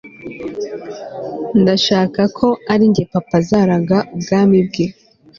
ndashaka ko arinjye papa azaraga ubwami bwe